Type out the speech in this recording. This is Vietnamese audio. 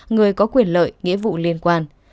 người có quyền lợi nghĩa vụ liên quan